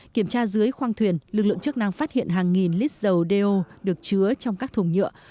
kiểm tra dưới khoang thuyền lực lượng chức năng phát hiện hàng nghìn lít dầu đeo được chứa trong các thùng nhựa